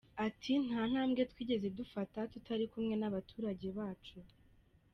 Ati “Nta ntambwe twigeze dufata tutari kumwe n’abaturage bacu.